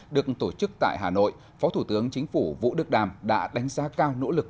được tổ chức tại hà nội phó thủ tướng chính phủ vũ đức đàm đã đánh giá cao nỗ lực